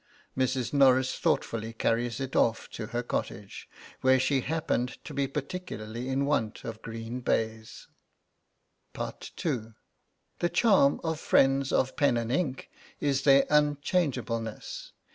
Mrs. Norris thoughtfully carries it off to her cottage, where she happened to be particularly in want of green baize. II. The charm of friends of pen and ink is their unchangeableness.